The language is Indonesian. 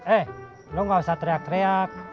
eh lo gak usah teriak teriak